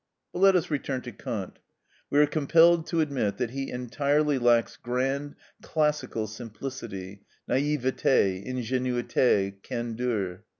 (3) But let us return to Kant. We are compelled to admit that he entirely lacks grand, classical simplicity, naïveté, ingénuité, candeur.